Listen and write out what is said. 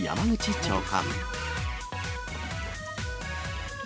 長官。